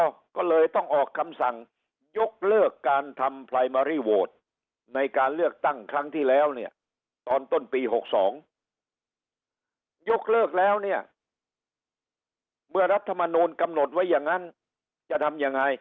คอสชก็เลยต้องออกคำสั่งยกเลิกการทำปลายเมือง